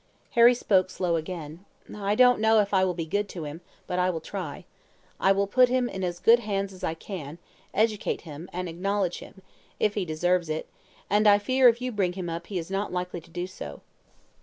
"Harry spoke slow again: 'I don't know if I will be good to him, but I will try. I will put him in as good hands as I can, educate him, and acknowledge him, if he deserves it; and I fear if you bring him up he is not likely to do so.'